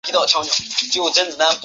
孔祥柯有二子二女